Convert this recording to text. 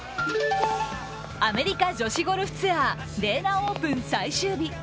アメリカ女子ゴルフツアーＤａｎａオープン最終日。